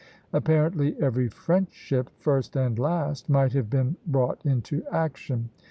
Apparently every French ship, first and last, might have been brought into action.